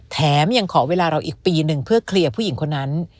แถมยังขอเวลาเราอีกปีเพื่อเข้าคนคนนั้น